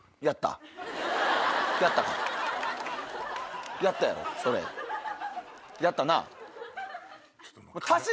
やったな？